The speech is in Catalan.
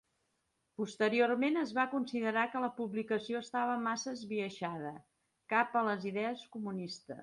Posteriorment es va considerar que la publicació estava massa esbiaixada cap a les idees comunistes.